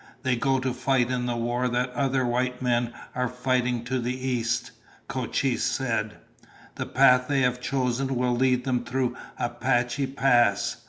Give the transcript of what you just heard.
They go to fight in the war that other white men are fighting to the east," Cochise said. "The path they have chosen will lead them through Apache Pass.